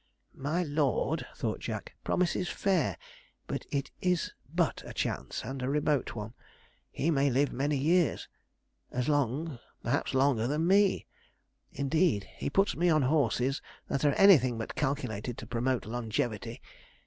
'My lord,' thought Jack, 'promises fair, but it is but a chance, and a remote one. He may live many years as long, perhaps longer, than me. Indeed, he puts me on horses that are anything but calculated to promote longevity.